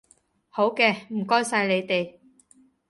好嘅，唔該曬你哋